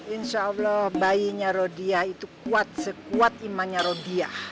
insya allah bayinya rodia itu kuat sekuat imannya rodia